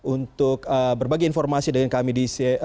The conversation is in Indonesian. untuk berbagi informasi dengan kami di